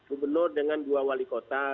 gubernur dengan dua wali kota